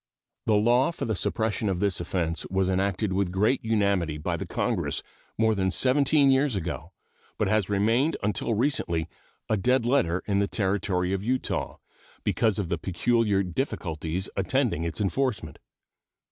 The law for the suppression of this offense was enacted with great unanimity by Congress more than seventeen years ago, but has remained until recently a dead letter in the Territory of Utah, because of the peculiar difficulties attending its enforcement.